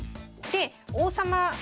で王様